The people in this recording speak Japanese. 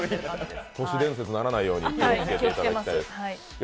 都市伝説にならないように気をつけていただきたい。